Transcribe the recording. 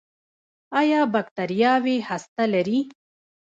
ایا بکتریاوې هسته لري؟